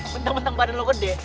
bentang bentang badan lu gede